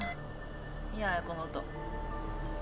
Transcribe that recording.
嫌やこの音。